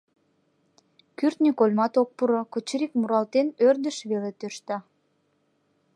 Кӱртньӧ кольмат ок пуро, кочырик муралтен, ӧрдыш веле тӧршта.